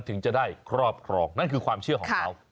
ถึงจะได้ครอบครองนั่นคือความเชื่อของเขา